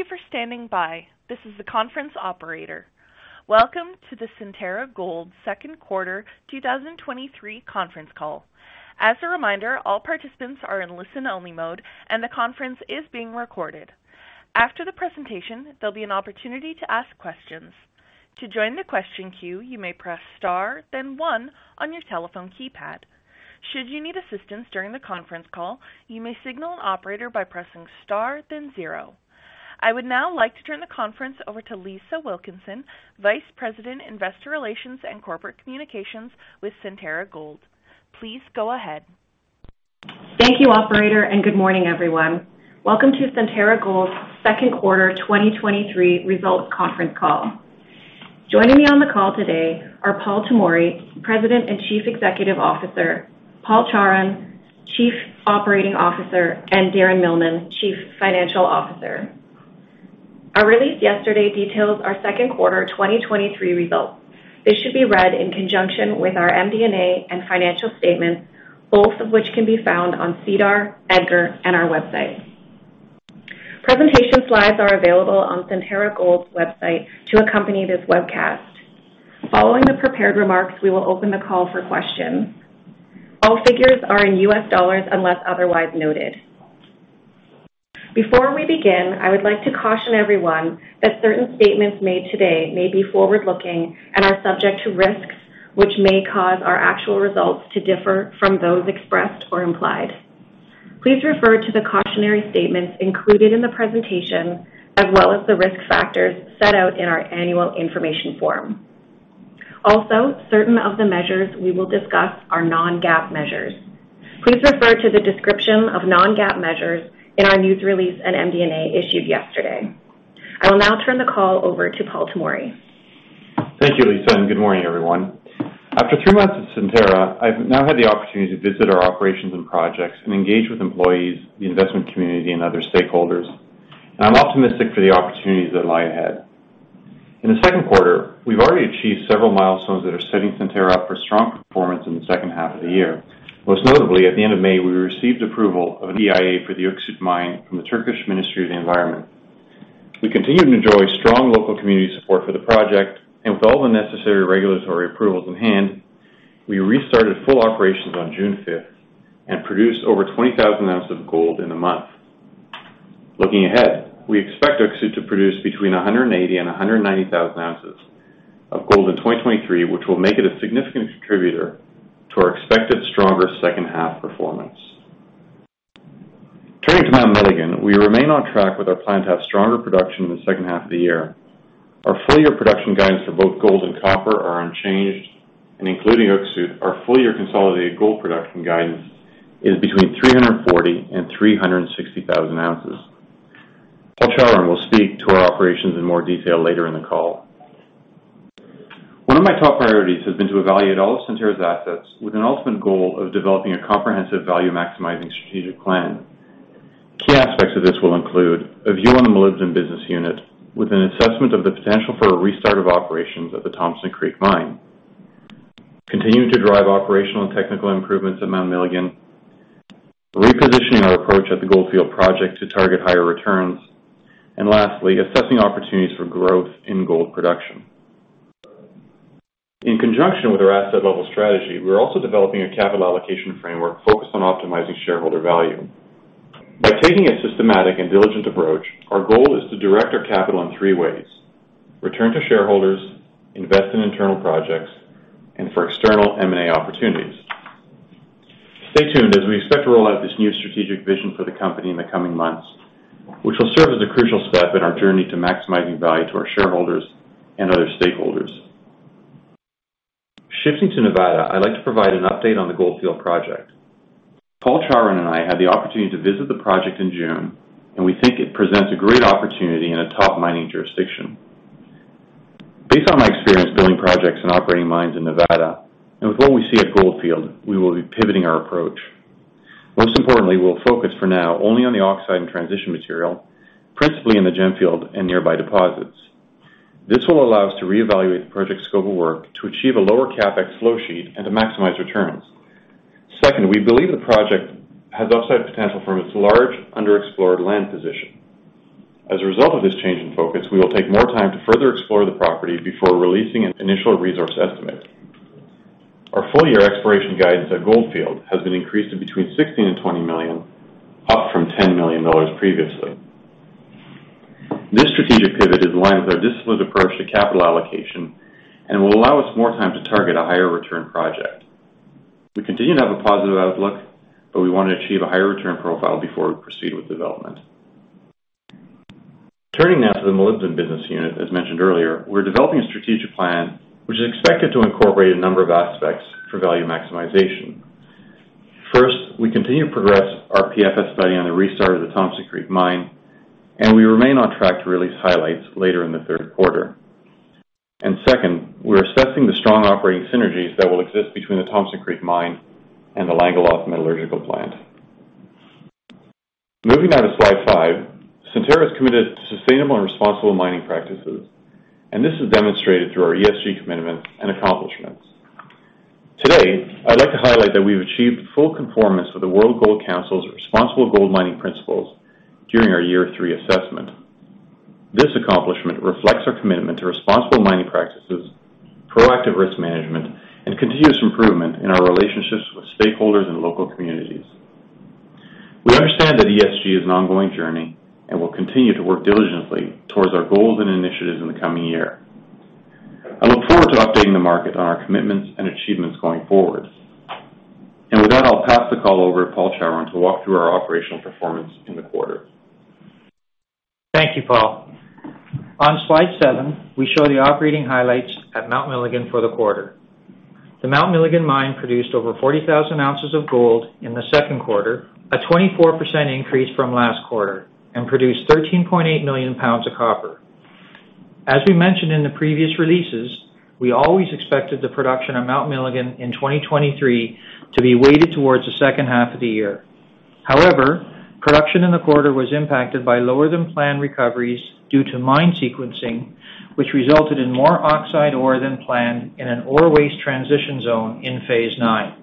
Thank you for standing by. This is the conference operator. Welcome to the Centerra Gold Second Quarter 2023 conference call. As a reminder, all participants are in listen-only mode, and the conference is being recorded. After the presentation, there'll be an opportunity to ask questions. To join the question queue, you may press star, then one on your telephone keypad. Should you need assistance during the conference call, you may signal an operator by pressing star, then zero. I would now like to turn the conference over to Lisa Wilkinson, Vice President, Investor Relations and Corporate Communications with Centerra Gold. Please go ahead. Thank you, operator, and good morning, everyone. Welcome to Centerra Gold's second quarter 2023 results conference call. Joining me on the call today are Paul Tomory, President and Chief Executive Officer, Paul Chawrun, Chief Operating Officer, and Darren Millman, Chief Financial Officer. Our release yesterday detailed our second quarter 2023 results. This should be read in conjunction with our MD&A and financial statements, both of which can be found on SEDAR, EDGAR and our website. Presentation slides are available on Centerra Gold's website to accompany this webcast. Following the prepared remarks, we will open the call for questions. All figures are in U.S. dollars, unless otherwise noted. Before we begin, I would like to caution everyone that certain statements made today may be forward-looking and are subject to risks which may cause our actual results to differ from those expressed or implied. Please refer to the cautionary statements included in the presentation, as well as the risk factors set out in our annual information form. Certain of the measures we will discuss are non-GAAP measures. Please refer to the description of non-GAAP measures in our news release and MD&A issued yesterday. I will now turn the call over to Paul Tomory. Thank you, Lisa, and good morning, everyone. After three months at Centerra, I've now had the opportunity to visit our operations and projects and engage with employees, the investment community, and other stakeholders, and I'm optimistic for the opportunities that lie ahead. In the second quarter, we've already achieved several milestones that are setting Centerra up for strong performance in the second half of the year. Most notably, at the end of May, we received approval of an EIA for the Öksüt Mine from the Turkish Ministry of the Environment. We continued to enjoy strong local community support for the project, and with all the necessary regulatory approvals in hand, we restarted full operations on June fifth and produced over 20,000 ounces of gold in a month. Looking ahead, we expect Öksüt to produce between 180 and 190,000 ounces of gold in 2023, which will make it a significant contributor to our expected stronger second half performance. Turning to Mount Milligan, we remain on track with our plan to have stronger production in the second half of the year. Our full year production guidance for both gold and copper are unchanged, including Öksüt, our full year consolidated gold production guidance is between 340 and 360,000 ounces. Paul Chawrun will speak to our operations in more detail later in the call. One of my top priorities has been to evaluate all of Centerra's assets with an ultimate goal of developing a comprehensive value-maximizing strategic plan. Key aspects of this will include a view on the Molybdenum Business Unit, with an assessment of the potential for a restart of operations at the Thompson Creek mine, continuing to drive operational and technical improvements at Mount Milligan, repositioning our approach at the Goldfield Project to target higher returns, and lastly, assessing opportunities for growth in gold production. In conjunction with our asset level strategy, we're also developing a capital allocation framework focused on optimizing shareholder value. By taking a systematic and diligent approach, our goal is to direct our capital in three ways: return to shareholders, invest in internal projects, and for external M&A opportunities. Stay tuned as we expect to roll out this new strategic vision for the company in the coming months, which will serve as a crucial step in our journey to maximizing value to our shareholders and other stakeholders. Shifting to Nevada, I'd like to provide an update on the Goldfield Project. Paul Chawrun and I had the opportunity to visit the project in June, and we think it presents a great opportunity in a top mining jurisdiction. Based on my experience building projects and operating mines in Nevada, and with what we see at Goldfield, we will be pivoting our approach. Most importantly, we'll focus for now only on the oxide and transition material, principally in the Gemfield and nearby deposits. This will allow us to reevaluate the project's scope of work to achieve a lower CapEx flow sheet and to maximize returns. Second, we believe the project has upside potential from its large, underexplored land position. As a result of this change in focus, we will take more time to further explore the property before releasing an initial resource estimate. Our full-year exploration guidance at Goldfield has been increased to between $16 million and $20 million, up from $10 million previously. This strategic pivot is in line with our disciplined approach to capital allocation and will allow us more time to target a higher return project. We continue to have a positive outlook, we want to achieve a higher return profile before we proceed with development. Turning now to the Molybdenum Business Unit. As mentioned earlier, we're developing a strategic plan, which is expected to incorporate a number of aspects for value maximization. First, we continue to progress our PFS study on the restart of the Thompson Creek Mine, we remain on track to release highlights later in the third quarter. Second, we're assessing the strong operating synergies that will exist between the Thompson Creek Mine and the Langeloth Metallurgical Facility. Moving on to slide 5. Centerra is committed to sustainable and responsible mining practices, this is demonstrated through our ESG commitment and accomplishment. Today, I'd like to highlight that we've achieved full conformance with the World Gold Council's Responsible Gold Mining Principles during our year three assessment. This accomplishment reflects our commitment to responsible mining practices, proactive risk management, and continuous improvement in our relationships with stakeholders and local communities. We understand that ESG is an ongoing journey, we'll continue to work diligently towards our goals and initiatives in the coming year. I look forward to updating the market on our commitments and achievements going forward. With that, I'll pass the call over to Paul Chawrun to walk through our operational performance in the quarter. Thank you, Paul. On slide 7, we show the operating highlights at Mount Milligan for the quarter. The Mount Milligan Mine produced over 40,000 ounces of gold in the second quarter, a 24% increase from last quarter, and produced 13.8 million pounds of copper. As we mentioned in the previous releases, we always expected the production of Mount Milligan in 2023 to be weighted towards the second half of the year. However, production in the quarter was impacted by lower than planned recoveries due to mine sequencing, which resulted in more oxide ore than planned in an ore waste transition zone in phase IX.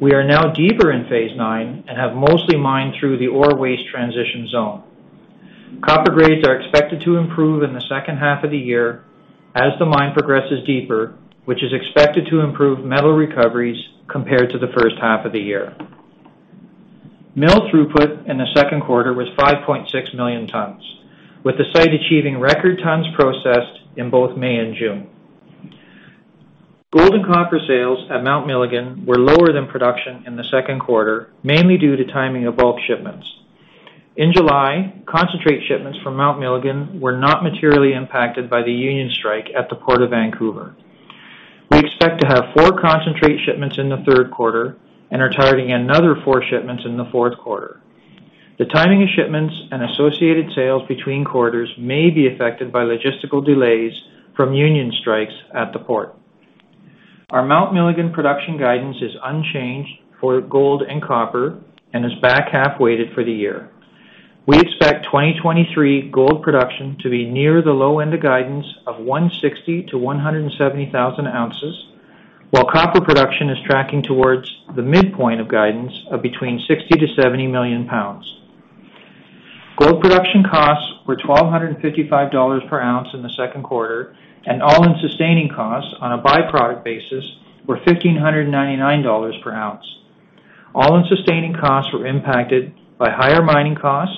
We are now deeper in phase IX and have mostly mined through the ore waste transition zone. Copper grades are expected to improve in the second half of the year as the mine progresses deeper, which is expected to improve metal recoveries compared to the first half of the year. Mill throughput in the second quarter was 5.6 million tons, with the site achieving record tons processed in both May and June. Gold and copper sales at Mount Milligan were lower than production in the second quarter, mainly due to timing of bulk shipments. In July, concentrate shipments from Mount Milligan were not materially impacted by the union strike at the Port of Vancouver. We expect to have four concentrate shipments in the third quarter and are targeting another four shipments in the fourth quarter. The timing of shipments and associated sales between quarters may be affected by logistical delays from union strikes at the port. Our Mount Milligan production guidance is unchanged for gold and copper and is back half weighted for the year. We expect 2023 gold production to be near the low end of guidance of 160,000-170,000 ounces, while copper production is tracking towards the midpoint of guidance of between 60-70 million pounds. Gold production costs were $1,255 per ounce in the second quarter, and all-in sustaining costs on a byproduct basis were $1,599 per ounce. All-in sustaining costs were impacted by higher mining costs,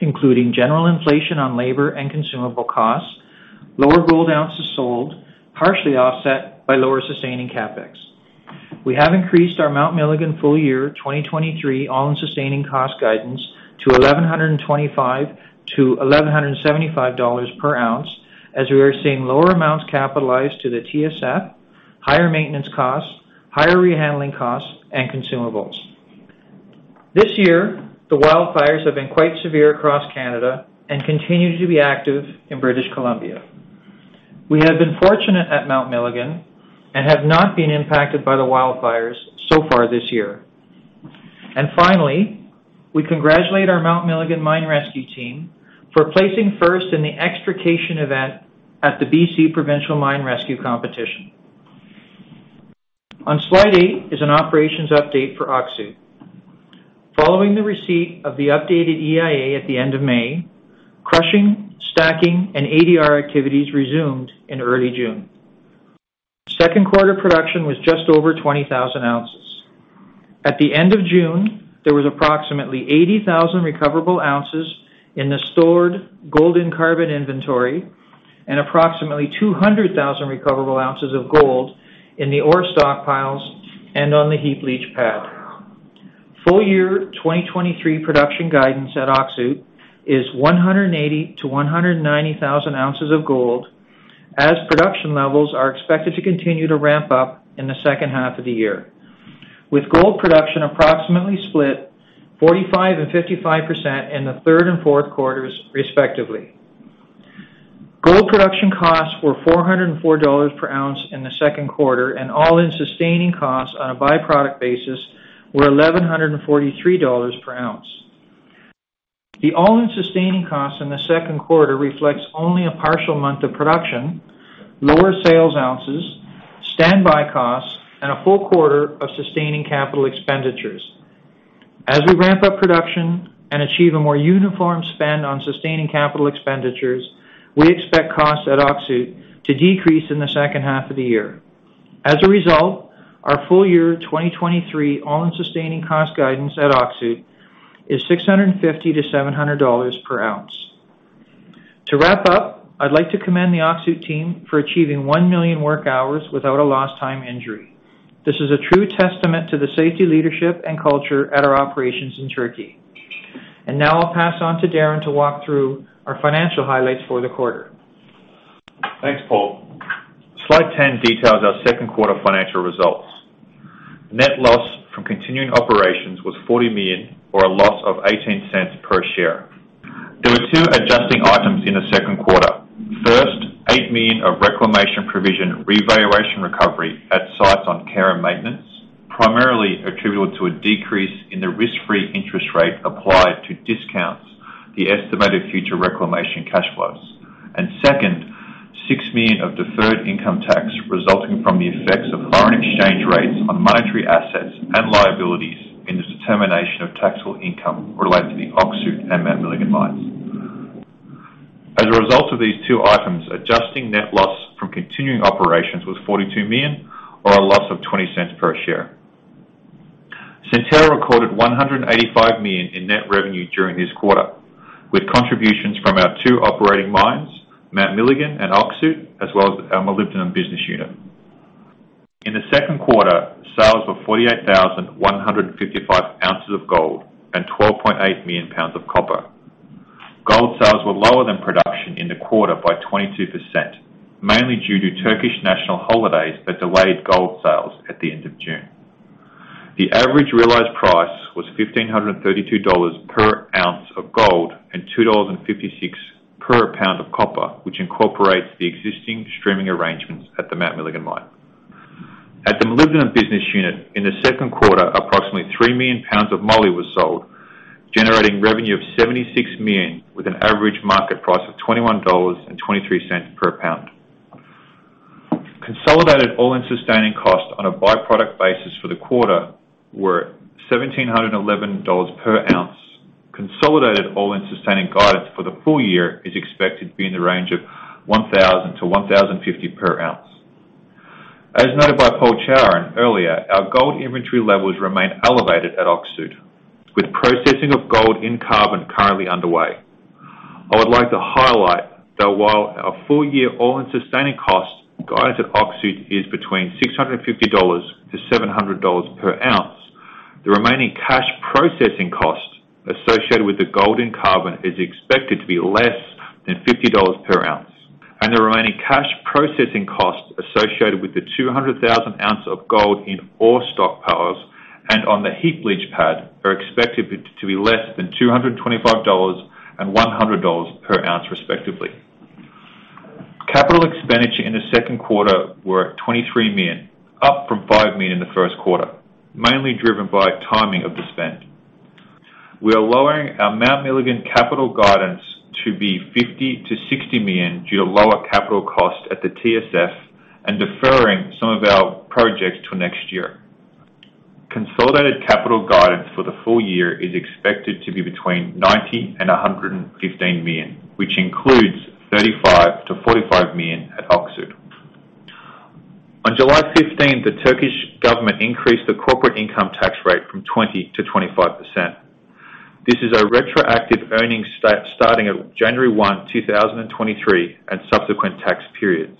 including general inflation on labor and consumable costs, lower gold ounces sold, partially offset by lower sustaining CapEx. We have increased our Mount Milligan full year 2023 all-in sustaining cost guidance to $1,125-$1,175 per ounce, as we are seeing lower amounts capitalized to the TSF, higher maintenance costs, higher rehandling costs, and consumables. This year, the wildfires have been quite severe across Canada and continue to be active in British Columbia. We have been fortunate at Mount Milligan and have not been impacted by the wildfires so far this year. Finally, we congratulate our Mount Milligan Mine Rescue Team for placing first in the extrication event at the BC Provincial Mine Rescue Competition. On slide eight is an operations update for Öksüt. Following the receipt of the updated EIA at the end of May, crushing, stacking, and ADR activities resumed in early June. Second quarter production was just over 20,000 ounces. At the end of June, there was approximately 80,000 recoverable ounces in the stored gold in carbon inventory and approximately 200,000 recoverable ounces of gold in the ore stockpiles and on the heap leach pad. Full year 2023 production guidance at Öksüt is 180,000-190,000 ounces of gold, as production levels are expected to continue to ramp up in the second half of the year, with gold production approximately split 45% and 55% in the 3rd and 4th quarters, respectively. Gold production costs were $404 per ounce in the 2nd quarter, and all-in sustaining costs on a byproduct basis were $1,143 per ounce. The all-in sustaining costs in the second quarter reflects only a partial month of production, lower sales ounces, standby costs, and a full quarter of sustaining capital expenditures. As we ramp up production and achieve a more uniform spend on sustaining capital expenditures, we expect costs at Öksüt to decrease in the second half of the year. A result, our full year 2023 all-in sustaining cost guidance at Öksüt is $650-$700 per ounce. To wrap up, I'd like to commend the Öksüt team for achieving 1 million work hours without a lost time injury. This is a true testament to the safety, leadership, and culture at our operations in Turkey. Now I'll pass on to Darren to walk through our financial highlights for the quarter. Thanks, Paul. Slide 10 details our second quarter financial results. Net loss from continuing operations was $40 million, or a loss of $0.18 per share. There were two adjusting items in the second quarter. First, $8 million of reclamation provision revaluation recovery at sites on care and maintenance, primarily attributable to a decrease in the risk-free interest rate applied to discounts, the estimated future reclamation cash flows. Second, $6 million of deferred income tax resulting from the effects of foreign exchange rates on monetary assets and liabilities in this determination of taxable income related to the Öksüt and Mount Milligan mines. As a result of these two items, adjusting net loss from continuing operations was $42 million, or a loss of $0.20 per share. Centerra recorded $185 million in net revenue during this quarter, with contributions from our two operating mines, Mount Milligan and Öksüt, as well as our Molybdenum Business Unit. In the second quarter, sales were 48,155 ounces of gold and 12.8 million pounds of copper. Gold sales were lower than production in the quarter by 22%, mainly due to Turkish national holidays that delayed gold sales at the end of June. The average realized price was $1,532 per ounce of gold and $2.56 per pound of copper, which incorporates the existing streaming arrangements at the Mount Milligan mine. At the Molybdenum Business Unit, in the second quarter, approximately 3 million pounds of moly was sold, generating revenue of $76 million, with an average market price of $21.23 per pound. Consolidated all-in sustaining costs on a byproduct basis for the quarter were $1,711 per ounce. Consolidated all-in sustaining guidance for the full year is expected to be in the range of $1,000-$1,050 per ounce. As noted by Paul Chawrun earlier, our gold inventory levels remain elevated at Öksüt, with processing of gold in carbon currently underway. I would like to highlight that while our full-year all-in sustaining costs guidance at Öksüt is between $650-$700 per ounce, the remaining cash processing cost associated with the gold in carbon is expected to be less than $50 per ounce, and the remaining cash processing costs associated with the 200,000 ounces of gold in ore stockpiles and on the heap leach pad are expected to be less than $225 and $100 per ounce, respectively. Capital expenditure in the second quarter were at $23 million, up from $5 million in the first quarter, mainly driven by timing of the spend. We are lowering our Mount Milligan capital guidance to be $50 million-$60 million due to lower capital costs at the TSF and deferring some of our projects to next year. Consolidated capital guidance for the full year is expected to be between $90 million and $115 million, which includes $35 million-$45 million at Öksüt. On July 15th, the Turkish government increased the corporate income tax rate from 20%-25%. This is a retroactive earnings starting at January 1, 2023, and subsequent tax periods.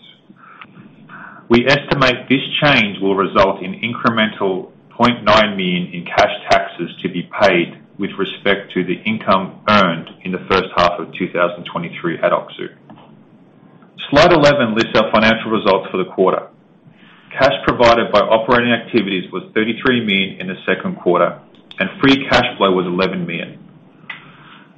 We estimate this change will result in incremental $0.9 million in cash taxes to be paid with respect to the income earned in the first half of 2023 at Öksüt. Slide 11 lists our financial results for the quarter. Cash provided by operating activities was $33 million in the second quarter, and free cash flow was $11 million.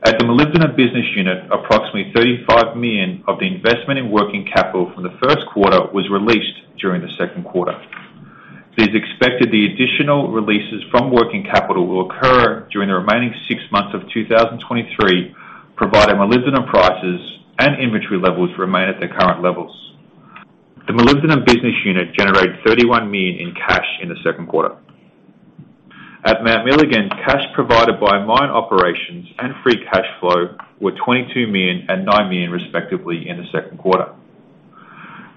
At the Molybdenum Business Unit, approximately $35 million of the investment in working capital from the first quarter was released during the second quarter. It is expected the additional releases from working capital will occur during the remaining 6 months of 2023, provided molybdenum prices and inventory levels remain at their current levels. The Molybdenum Business Unit generated $31 million in cash in the second quarter. At Mount Milligan, cash provided by mine operations and free cash flow were $22 million and $9 million, respectively, in the second quarter.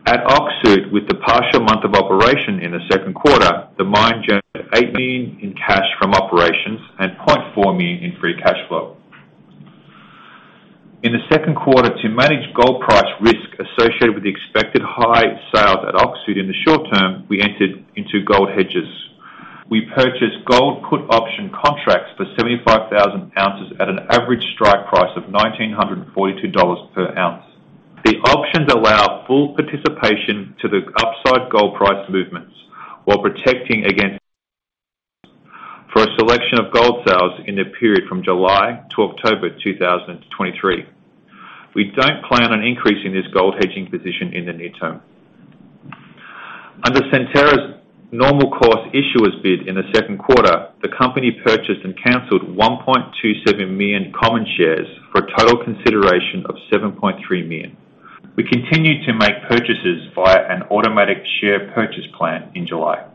At Öksüt, with the partial month of operation in the second quarter, the mine generated $18 million in cash from operations and $0.4 million in free cash flow. In the second quarter, to manage gold price risk associated with the expected high sales at Öksüt in the short term, we entered into gold hedges. We purchased gold put option contracts for 75,000 ounces at an average strike price of $1,942 per ounce. The options allow full participation to the upside gold price movements while protecting against for a selection of gold sales in the period from July to October 2023. We don't plan on increasing this gold hedging position in the near term. Under Centerra's normal course issuer bid in the second quarter, the company purchased and canceled 1.27 million common shares for a total consideration of $7.3 million. We continued to make purchases via an automatic share purchase plan in July.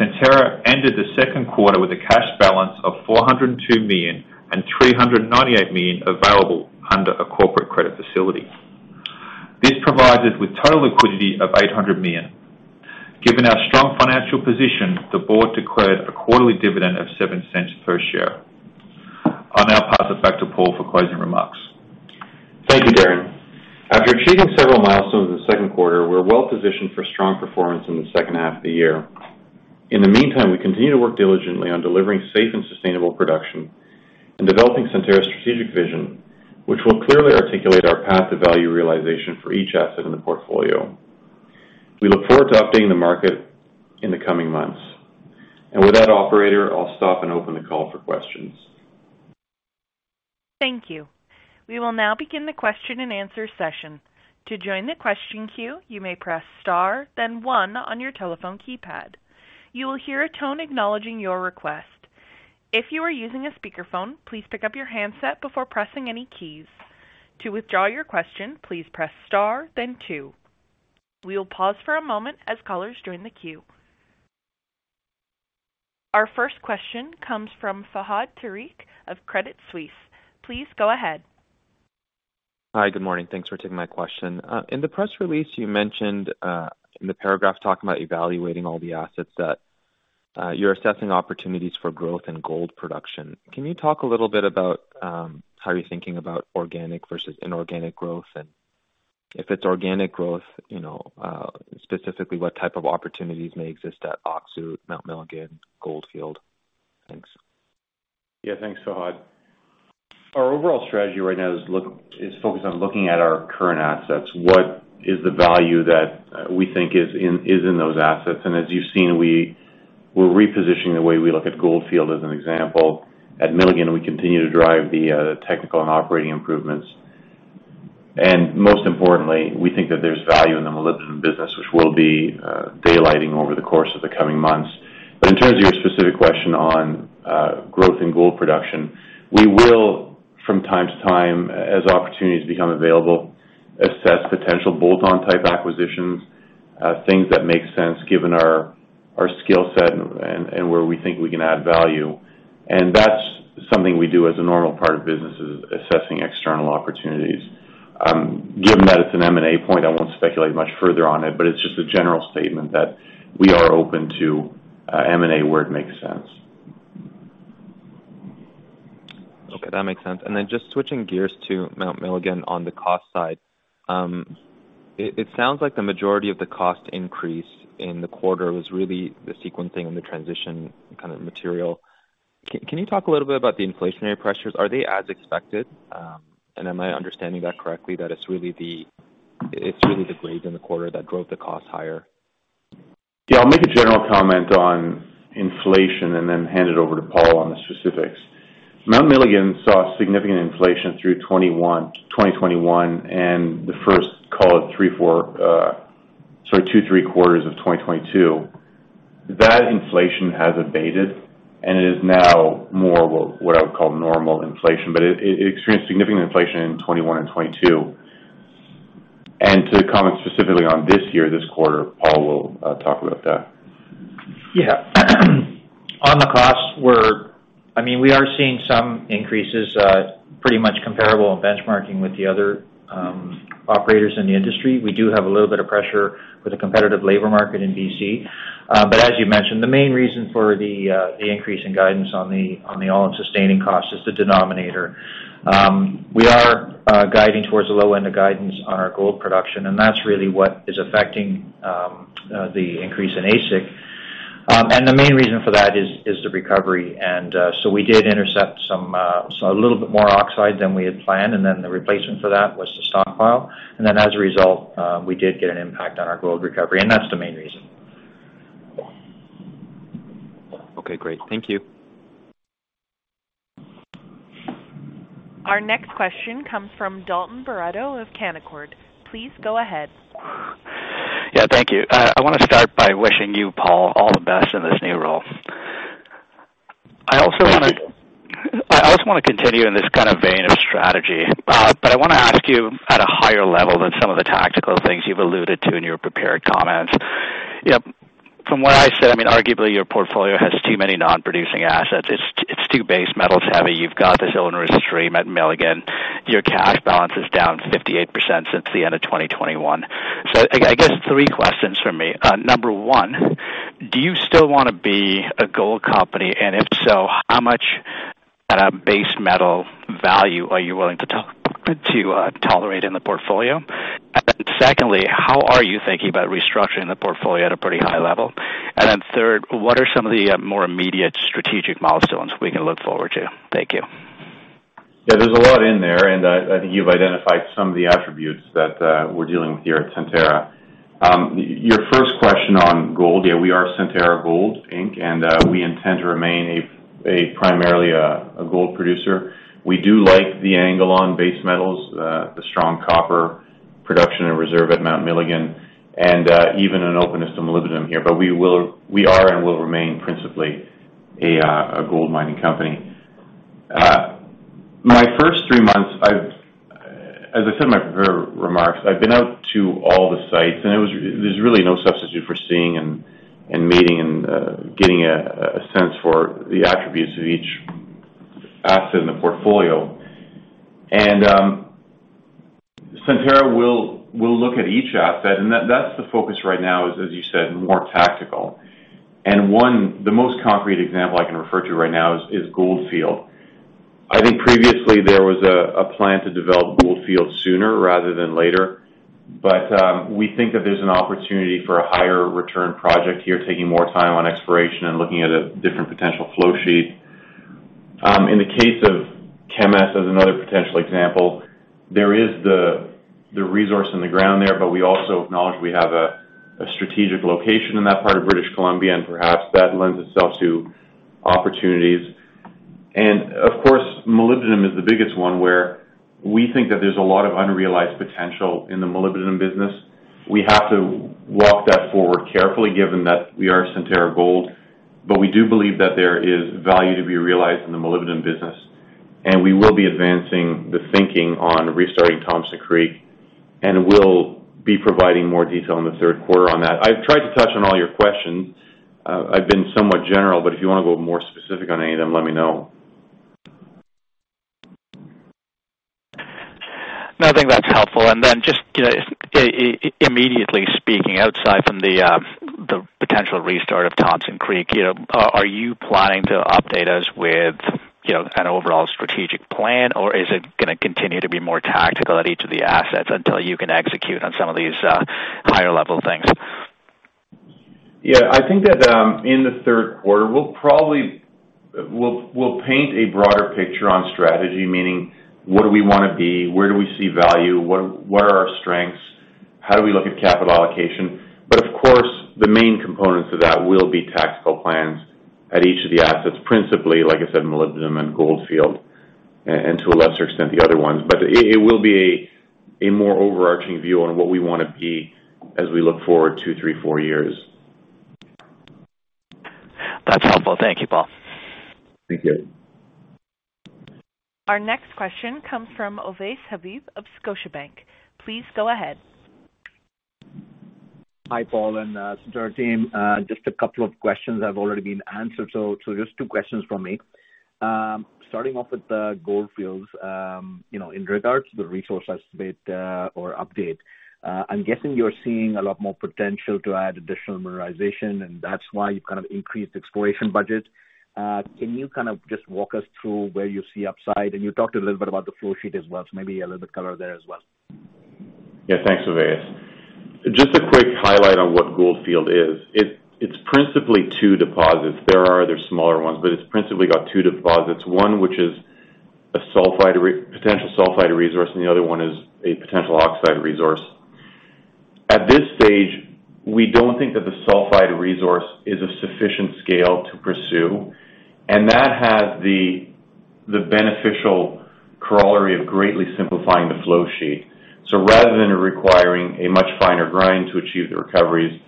Centerra ended the second quarter with a cash balance of $402 million and $398 million available under a corporate credit facility. This provides us with total liquidity of $800 million. Given our strong financial position, the board declared a quarterly dividend of $0.07 per share. I'll now pass it back to Paul for closing remarks. Thank you, Darren. After achieving several milestones in the second quarter, we're well positioned for strong performance in the second half of the year. In the meantime, we continue to work diligently on delivering safe and sustainable production and developing Centerra's strategic vision, which will clearly articulate our path to value realization for each asset in the portfolio. We look forward to updating the market in the coming months. With that operator, I'll stop and open the call for questions. Thank you. We will now begin the question and answer session. To join the question queue, you may press star, then one on your telephone keypad. You will hear a tone acknowledging your request. If you are using a speakerphone, please pick up your handset before pressing any keys. To withdraw your question, please press star, then two. We will pause for a moment as callers join the queue. Our first question comes from Fahad Tariq of Credit Suisse. Please go ahead. Hi, good morning. Thanks for taking my question. In the press release, you mentioned, in the paragraph talking about evaluating all the assets, that, you're assessing opportunities for growth and gold production. Can you talk a little bit about, how you're thinking about organic versus inorganic growth? And if it's organic growth, you know, specifically, what type of opportunities may exist at Öksüt, Mount Milligan, Goldfield? Thanks. Yeah, thanks, Fahad. Our overall strategy right now is focused on looking at our current assets. What is the value that we think is in, is in those assets? As you've seen, we're repositioning the way we look at Goldfield as an example. At Milligan, we continue to drive the technical and operating improvements, and most importantly, we think that there's value in the Molybdenum Business Unit, which will be daylighting over the course of the coming months. In terms of your specific question on growth in gold production, we will, from time to time, as opportunities become available, assess potential bolt-on type acquisitions, things that make sense given our, our skill set and, and where we think we can add value. That's something we do as a normal part of business, is assessing external opportunities. Given that it's an M&A point, I won't speculate much further on it, but it's just a general statement that we are open to M&A where it makes sense. Okay, that makes sense. Then just switching gears to Mount Milligan on the cost side, it, it sounds like the majority of the cost increase in the quarter was really the sequencing and the transition kind of material. Can, can you talk a little bit about the inflationary pressures? Are they as expected? Am I understanding that correctly, that it's really the, it's really the grade in the quarter that drove the cost higher? Yeah, I'll make a general comment on inflation and then hand it over to Paul on the specifics. Mount Milligan saw significant inflation through 2021, 2021, and the first, call it three, four, sorry, three, three quarters of 2022. That inflation has abated and it is now more what, what I would call normal inflation, but it, it experienced significant inflation in 2021 and 2022. To comment specifically on this year, this quarter, Paul will talk about that. Yeah. On the costs, we're I mean, we are seeing some increases, pretty much comparable in benchmarking with the other operators in the industry. We do have a little bit of pressure with the competitive labor market in BC. As you mentioned, the main reason for the increase in guidance on the all-in sustaining costs is the denominator. We are guiding towards the low end of guidance on our gold production, and that's really what is affecting the increase in AISC. The main reason for that is the recovery, and, so we did intercept some, a little bit more oxide than we had planned, and then the replacement for that was the stockpile. Then as a result, we did get an impact on our gold recovery, and that's the main reason. Okay, great. Thank you. Our next question comes from Dalton Baretto of Canaccord. Please go ahead. Yeah, thank you. I want to start by wishing you, Paul, all the best in this new role. Thank you. I also want to continue in this kind of vein of strategy, I want to ask you at a higher level than some of the tactical things you've alluded to in your prepared comments. You know, from what I said, I mean, arguably, your portfolio has too many non-producing assets. It's, it's too base metal-heavy. You've got this owner stream at Milligan. Your cash balance is down 58% since the end of 2021. I, I guess three questions from me. Number one, do you still want to be a gold company? If so, how much at a base metal value are you willing to tolerate in the portfolio? Secondly, how are you thinking about restructuring the portfolio at a pretty high level? Third, what are some of the more immediate strategic milestones we can look forward to? Thank you. Yeah, there's a lot in there, and I think you've identified some of the attributes that we're dealing with here at Centerra. Your first question on gold. Yeah, we are Centerra Gold Inc., and we intend to remain a primarily gold producer. We do like the angle on base metals, the strong copper production and reserve at Mount Milligan and even an openness to molybdenum here. But we will, we are and will remain principally a gold mining company. My first three months, I've... As I said in my prepared remarks, I've been out to all the sites, and it was, there's really no substitute for seeing and meeting and getting a sense for the attributes of each asset in the portfolio. Centerra will, will look at each asset, and that, that's the focus right now, is, as you said, more tactical. One, the most concrete example I can refer to right now is, is Goldfield. I think previously there was a, a plan to develop Goldfield sooner rather than later, but we think that there's an opportunity for a higher return project here, taking more time on exploration and looking at a different potential flow sheet. In the case of Kemess, as another potential example, there is the, the resource in the ground there, but we also acknowledge we have a, a strategic location in that part of British Columbia, and perhaps that lends itself to opportunities. Of course, molybdenum is the biggest one. We think that there's a lot of unrealized potential in the Molybdenum Business Unit. We have to walk that forward carefully, given that we are Centerra Gold. We do believe that there is value to be realized in the molybdenum business, and we will be advancing the thinking on restarting Thompson Creek, and we'll be providing more detail in the third quarter on that. I've tried to touch on all your questions. I've been somewhat general, but if you wanna go more specific on any of them, let me know. No, I think that's helpful. Then, just immediately speaking, outside from the, the potential restart of Thompson Creek, you know, are, are you planning to update us with, you know, an overall strategic plan, or is it gonna continue to be more tactical at each of the assets until you can execute on some of these higher level things? Yeah, I think that, in the third quarter, we'll probably we'll, we'll paint a broader picture on strategy, meaning where do we wanna be? Where do we see value? What, what are our strengths? How do we look at capital allocation? Of course, the main components of that will be tactical plans at each of the assets, principally, like I said, Molybdenum and Goldfield, and, and to a lesser extent, the other ones. It, it will be a, a more overarching view on what we wanna be as we look forward two, three, four years. That's helpful. Thank you, Paul. Thank you. Our next question comes from Ovais Habib of Scotiabank. Please go ahead. Hi, Paul and Centerra team. Just a couple of questions that have already been answered, so just two questions from me. starting off with the Goldfields, you know, in regards to the resource estimate, or update, I'm guessing you're seeing a lot more potential to add additional mineralization, and that's why you've kind of increased exploration budget. Can you kind of just walk us through where you see upside? You talked a little bit about the flow sheet as well, so maybe a little bit color there as well. Yeah. Thanks, Ovais. Just a quick highlight on what Goldfield is. It's principally two deposits. There are other smaller ones, but it's principally got two deposits, one, which is a sulfide, potential sulfide resource, and the other one is a potential oxide resource. At this stage, we don't think that the sulfide resource is a sufficient scale to pursue, and that has the beneficial corollary of greatly simplifying the flow sheet. Rather than requiring a much finer grind to achieve the recoveries,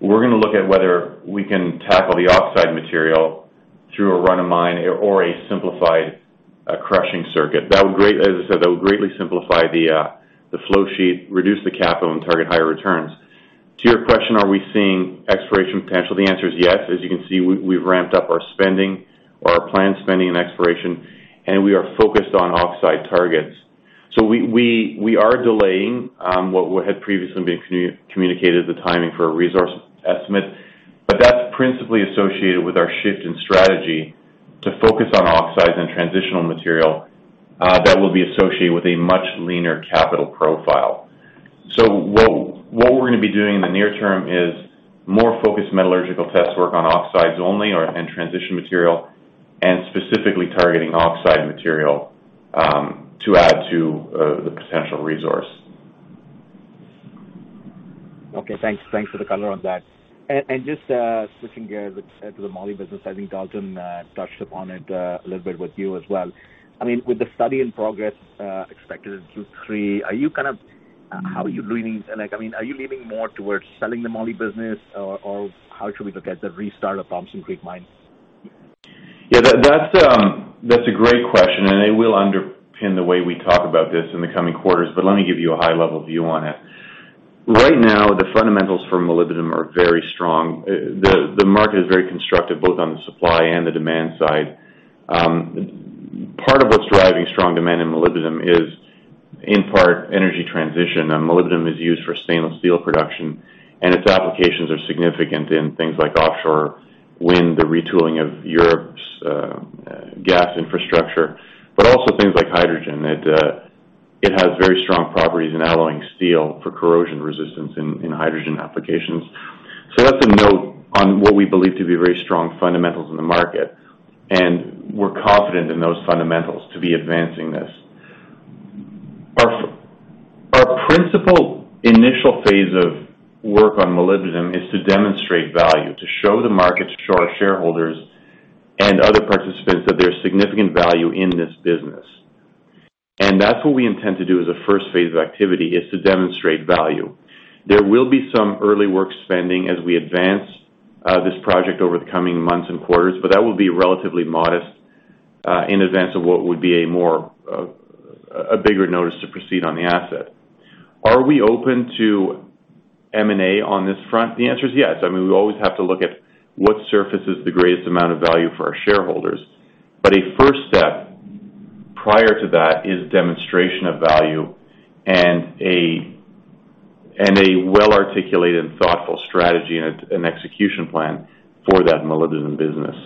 we're gonna look at whether we can tackle the oxide material through a run-of-mine or, or a simplified crushing circuit. That would greatly simplify the flow sheet, reduce the capital, and target higher returns. To your question, are we seeing exploration potential? The answer is yes. As you can see, we, we've ramped up our spending or our planned spending and exploration, and we are focused on oxide targets. We, we, we are delaying what had previously been communicated, the timing for a resource estimate, but that's principally associated with our shift in strategy to focus on oxides and transitional material, that will be associated with a much leaner capital profile. What, what we're gonna be doing in the near term is more focused metallurgical test work on oxides only or, and transition material, and specifically targeting oxide material, to add to the potential resource. Okay, thanks. Thanks for the color on that. Just switching gears to the Moly business, I think Dalton touched upon it a little bit with you as well. I mean, with the study in progress, expected in Q3, are you kind of- How are you leaning? Like, I mean, are you leaning more towards selling the moly business, or how should we look at the restart of Thompson Creek Mine? Yeah, that, that's, that's a great question, and it will underpin the way we talk about this in the coming quarters, but let me give you a high level view on it. Right now, the fundamentals for molybdenum are very strong. The, the market is very constructive, both on the supply and the demand side. Part of what's driving strong demand in molybdenum is, in part, energy transition, and molybdenum is used for stainless steel production, and its applications are significant in things like offshore wind, the retooling of Europe's gas infrastructure, but also things like hydrogen. It, it has very strong properties in alloying steel for corrosion resistance in, in hydrogen applications. That's a note on what we believe to be very strong fundamentals in the market, and we're confident in those fundamentals to be advancing this. Our our principal initial phase of work on molybdenum is to demonstrate value, to show the markets, to show our shareholders, and other participants that there's significant value in this business. That's what we intend to do as a first phase of activity, is to demonstrate value. There will be some early work spending as we advance this project over the coming months and quarters, but that will be relatively modest in advance of what would be a more, a, a bigger notice to proceed on the asset. Are we open to M&A on this front? The answer is yes. I mean, we always have to look at what surfaces the greatest amount of value for our shareholders. A first step prior to that is demonstration of value and a, and a well-articulated and thoughtful strategy and a, an execution plan for that molybdenum business.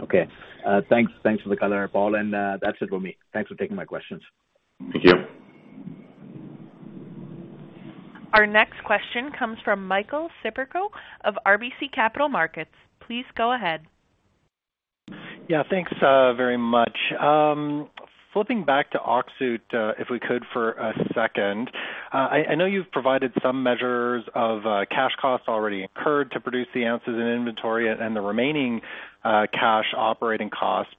Okay. Thanks. Thanks for the color, Paul. That's it for me. Thanks for taking my questions. Thank you. Our next question comes from Michael Siperco of RBC Capital Markets. Please go ahead. Yeah, thanks, very much...... Flipping back to Öksüt, if we could for a second. I know you've provided some measures of cash costs already incurred to produce the ounces in inventory and the remaining cash operating costs.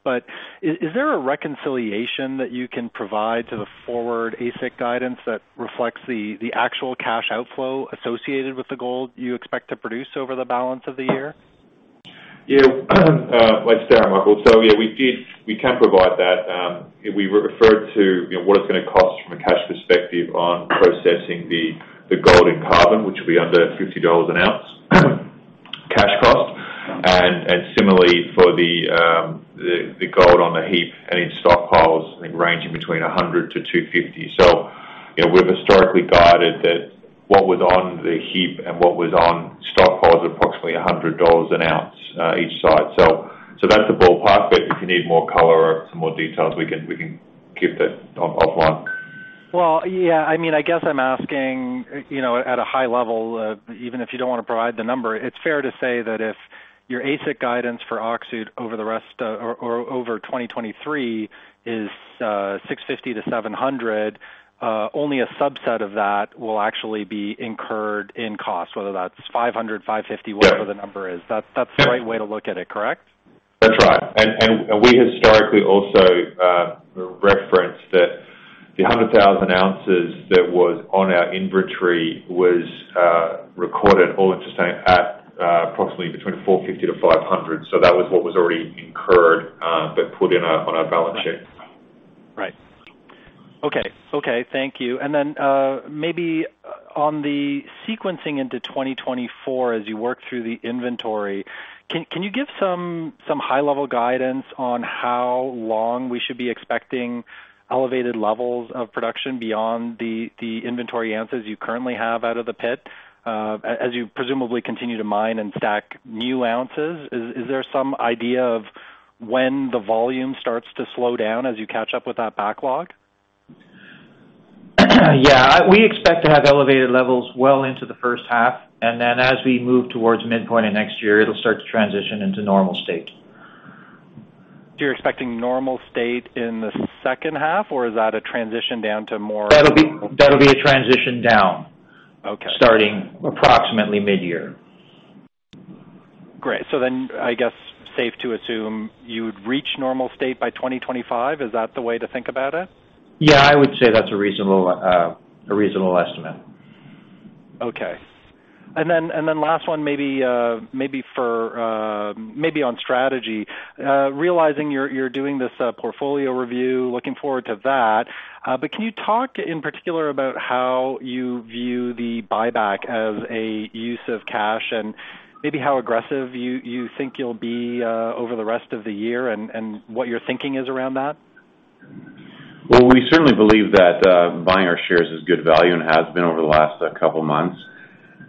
Is there a reconciliation that you can provide to the forward AISC guidance that reflects the actual cash outflow associated with the gold you expect to produce over the balance of the year? Yeah, thanks, Michael. Yeah, we can provide that. We referred to, you know, what it's gonna cost from a cash perspective on processing the gold in carbon, which will be under $50 an ounce, cash cost. Similarly for the gold on the heap and in stockpiles, I think ranging between $100-$250. You know, we've historically guided that what was on the heap and what was on stockpiles, approximately $100 an ounce each site. That's the ballpark, but if you need more color or some more details, we can keep that on, offline. Well, yeah. I mean, I guess I'm asking, you know, at a high level, even if you don't wanna provide the number, it's fair to say that if your AISC guidance for Öksüt over the rest of, or, or over 2023 is, $650-$700, only a subset of that will actually be incurred in cost, whether that's $500, $550... Yeah. whatever the number is. That's, that's the right way to look at it, correct? That's right. We historically also referenced that the 100,000 ounces that was on our inventory was recorded all into same at approximately between $450-$500. That was what was already incurred, but put on our balance sheet. Right. Okay. Okay, thank you. Then, maybe on the sequencing into 2024, as you work through the inventory, can, can you give some, some high-level guidance on how long we should be expecting elevated levels of production beyond the, the inventory answers you currently have out of the pit? As you presumably continue to mine and stack new ounces, is, is there some idea of when the volume starts to slow down as you catch up with that backlog? Yeah, we expect to have elevated levels well into the first half, then as we move towards midpoint of next year, it'll start to transition into normal state. You're expecting normal state in the second half, or is that a transition down to more? That'll be a transition down- Okay. starting approximately mid-year. Great. I guess, safe to assume you would reach normal state by 2025. Is that the way to think about it? Yeah, I would say that's a reasonable, a reasonable estimate. Okay. Then, and then last one, maybe, maybe for, maybe on strategy. Realizing you're, you're doing this, portfolio review, looking forward to that. Can you talk in particular about how you view the buyback as a use of cash, and maybe how aggressive you, you think you'll be, over the rest of the year and, and what your thinking is around that? Well, we certainly believe that, buying our shares is good value and has been over the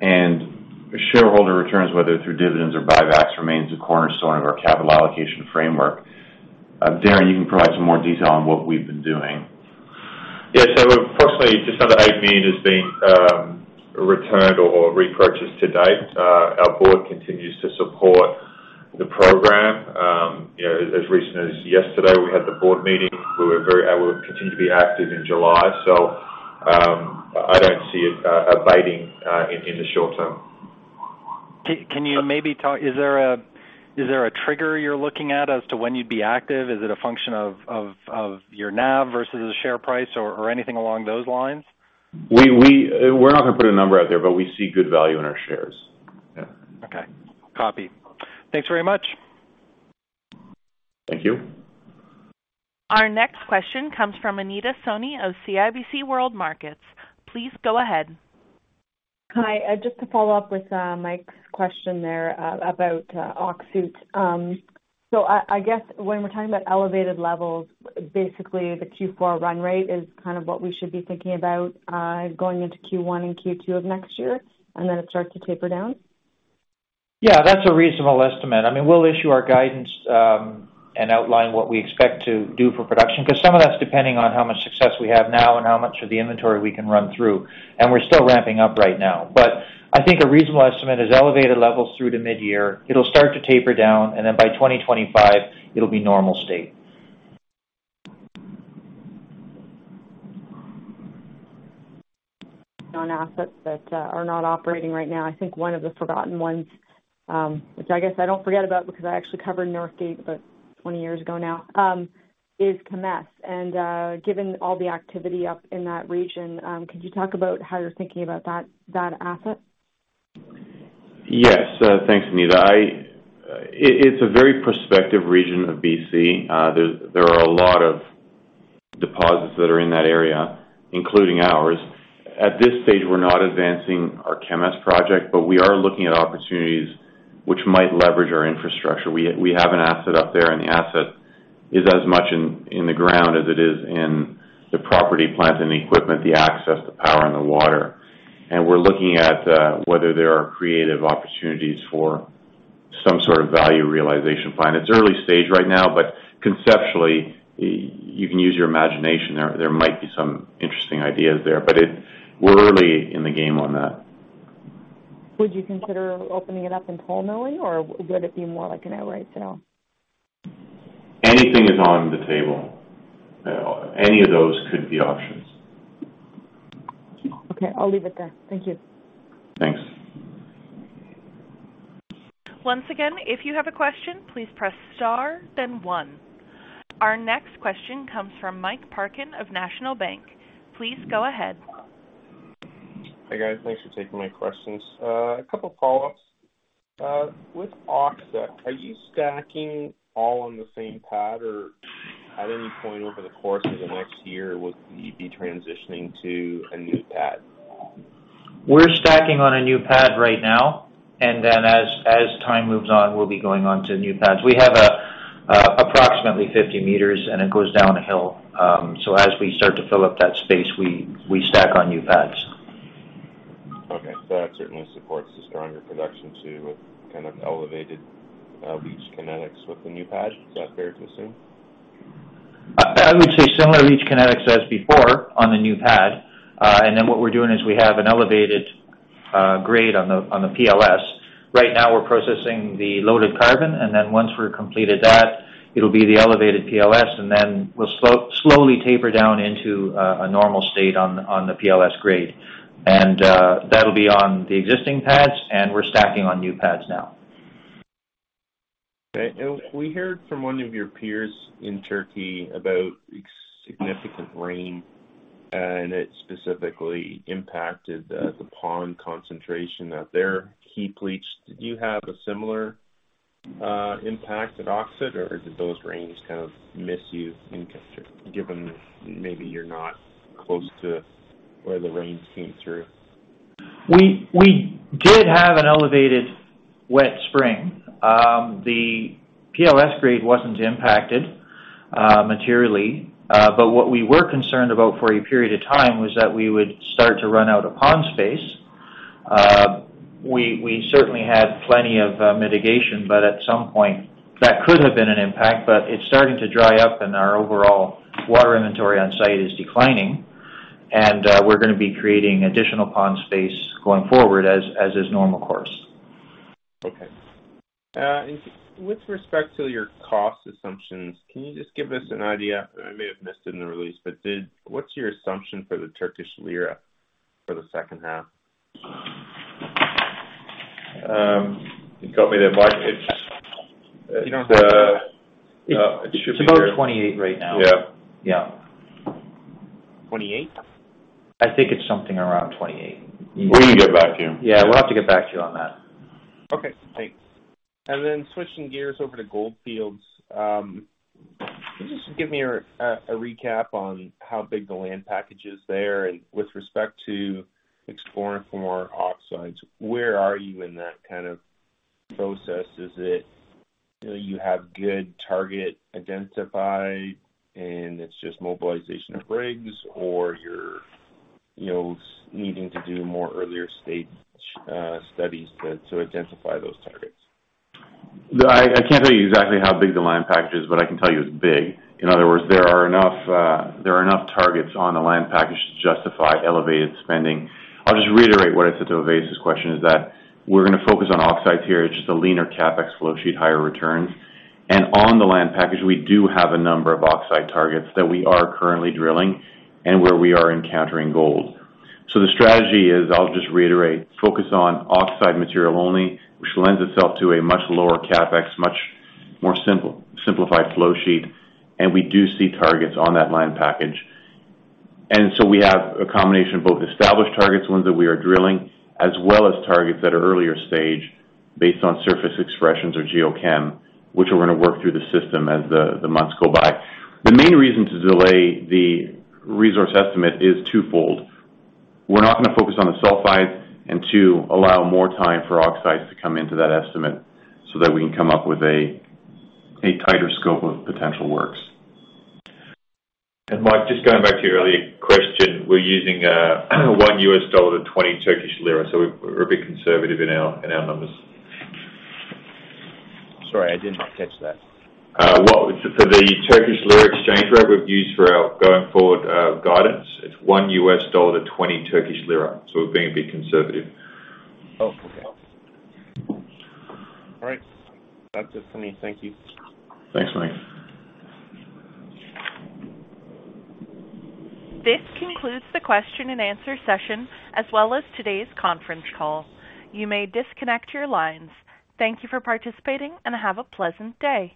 last couple of months. Shareholder returns, whether through dividends or buybacks, remains a cornerstone of our capital allocation framework. Darren, you can provide some more detail on what we've been doing. Yeah, so approximately, just under $8 million has been returned or repurchased to date. Our board continues to support the program. You know, as recently as yesterday, we had the board meeting. We were and we'll continue to be active in July. I don't see it abating in the short term. Can you maybe talk... Is there a trigger you're looking at as to when you'd be active? Is it a function of your NAV versus the share price or anything along those lines? We, we, we're not gonna put a number out there, but we see good value in our shares. Yeah. Okay. Copy. Thanks very much. Thank you. Our next question comes from Anita Soni of CIBC World Markets. Please go ahead. Hi, just to follow up with Mike's question there, about Öksüt. I, I guess when we're talking about elevated levels, basically, the Q4 run rate is kind of what we should be thinking about, going into Q1 and Q2 of next year, and then it starts to taper down? Yeah, that's a reasonable estimate. I mean, we'll issue our guidance, and outline what we expect to do for production, because some of that's depending on how much success we have now and how much of the inventory we can run through, and we're still ramping up right now. But I think a reasonable estimate is elevated levels through to midyear. It'll start to taper down, and then by 2025, it'll be normal state. On assets that, are not operating right now, I think one of the forgotten ones, which I guess I don't forget about because I actually covered Northgate about 20 years ago now, is Kemess. Given all the activity up in that region, could you talk about how you're thinking about that, that asset? Yes. Thanks, Anita. It's a very prospective region of BC. There, there are a lot of deposits that are in that area, including ours. At this stage, we're not advancing our Kemess project, but we are looking at opportunities which might leverage our infrastructure. We, we have an asset up there, and the asset is as much in, in the ground as it is in the property, plant, and the equipment, the access to power and the water. We're looking at whether there are creative opportunities for some sort of value realization plan. It's early stage right now, but conceptually, you can use your imagination. There, there might be some interesting ideas there, but we're early in the game on that. ... Would you consider opening it up in toll milling, or would it be more like an outright sale? Anything is on the table. Any of those could be options. Okay, I'll leave it there. Thank you. Thanks. Once again, if you have a question, please press star, then One. Our next question comes from Mike Parkin of National Bank. Please go ahead. Hi, guys. Thanks for taking my questions. A couple follow-ups. With Öksüt, are you stacking all on the same pad, or at any point over the course of the next year, would you be transitioning to a new pad? We're stacking on a new pad right now, and then as, as time moves on, we'll be going on to new pads. We have a, approximately 50 meters, and it goes down a hill. As we start to fill up that space, we, we stack on new pads. Okay. That certainly supports the stronger production, too, with kind of elevated, leach kinetics with the new pad. Is that fair to assume? I, I would say similar leach kinetics as before on the new pad. Then what we're doing is we have an elevated grade on the PLS. Right now, we're processing the loaded carbon, and then once we're completed that, it'll be the elevated PLS, and then we'll slowly taper down into a normal state on the PLS grade. That'll be on the existing pads, and we're stacking on new pads now. Okay. We heard from one of your peers in Turkey about significant rain, and it specifically impacted the, the pond concentration at their heap leach. Did you have a similar impact at Öksüt, or did those rains kind of miss you in, given maybe you're not close to where the rains came through? We, we did have an elevated wet spring. The PLS grade wasn't impacted materially, but what we were concerned about for a period of time was that we would start to run out of pond space. We, we certainly had plenty of mitigation, but at some point that could have been an impact, but it's starting to dry up, and our overall water inventory on site is declining. We're going to be creating additional pond space going forward as, as is normal course. Okay. With respect to your cost assumptions, can you just give us an idea, and I may have missed it in the release, but what's your assumption for the Turkish lira for the second half? You got me there, Mike. It's, it should be- It's about 28 right now. Yeah. Yeah. Twenty-eight? I think it's something around 28. We can get back to you. Yeah, we'll have to get back to you on that. Okay, thanks. Then switching gears over to Goldfield. Can you just give me a recap on how big the land package is there? With respect to exploring for more oxides, where are you in that kind of process? Is it, you know, you have good target identified, and it's just mobilization of rigs, or you're, you know, needing to do more earlier stage studies to identify those targets? I, I can't tell you exactly how big the land package is, but I can tell you it's big. In other words, there are enough, there are enough targets on the land package to justify elevated spending. I'll just reiterate what I said to Ovais's question, is that we're going to focus on oxides here. It's just a leaner CapEx flow sheet, higher returns. On the land package, we do have a number of oxide targets that we are currently drilling and where we are encountering gold. The strategy is, I'll just reiterate, focus on oxide material only, which lends itself to a much lower CapEx, much more simplified flow sheet, and we do see targets on that land package. We have a combination of both established targets, ones that we are drilling, as well as targets at an earlier stage based on surface expressions or geochem, which we're going to work through the system as the months go by. The main reason to delay the resource estimate is twofold: We're not going to focus on the sulfides, and two, allow more time for oxides to come into that estimate, so that we can come up with a tighter scope of potential works. Mike, just going back to your earlier question, we're using $1 to 20 Turkish lira, so we're a bit conservative in our numbers. Sorry, I did not catch that. For the Turkish lira exchange rate, we've used for our going forward, guidance, it's $1 to 20 Turkish lira, so we're being a bit conservative. Oh, okay. All right. That's it for me. Thank you. Thanks, Mike. This concludes the question and answer session, as well as today's conference call. You may disconnect your lines. Thank you for participating, and have a pleasant day.